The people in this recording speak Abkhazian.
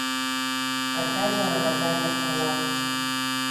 Агаз аанагазар ҟалап.